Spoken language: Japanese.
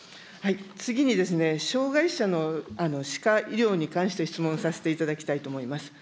次にですね、障害者の歯科医療に関して質問させていただきたいと思います。